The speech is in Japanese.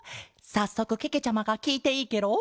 さっそくけけちゃまがきいていいケロ？